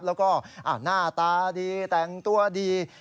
แล้วก็หน้าตาดีแต่งตัวดี